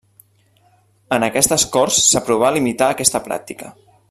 En aquestes Corts s'aprovà limitar aquesta pràctica.